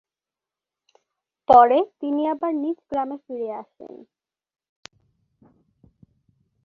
পরে তিনি আবার নিজ গ্রামে ফিরে আসেন।